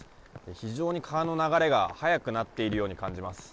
非常に川の流れが速くなっているように感じます。